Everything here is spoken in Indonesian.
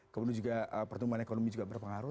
kemudian juga pertumbuhan ekonomi juga berpengaruh